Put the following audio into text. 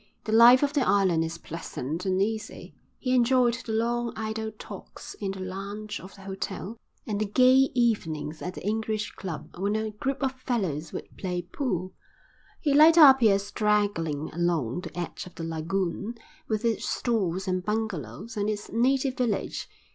The life of the island is pleasant and easy. He enjoyed the long idle talks in the lounge of the hotel and the gay evenings at the English Club when a group of fellows would play pool. He liked Apia straggling along the edge of the lagoon, with its stores and bungalows, and its native village.